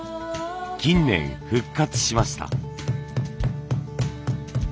近年復活しました。